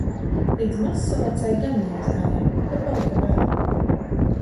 Līdz Mazsalacai gan neaizgājām, jo palika bail.